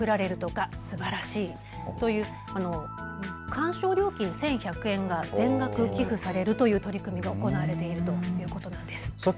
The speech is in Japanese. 鑑賞料金１１００円が全額寄付されるという取り組みが行われるということなんです。